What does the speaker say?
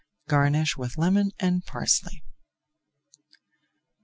Garnish with lemon and parsley.